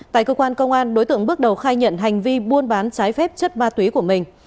tại cơ quan công an đối tượng bước đầu khai nhận hành vi buôn bán trái phép chất ma túy của mình